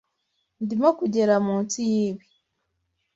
Ndimo kugera munsi yibi.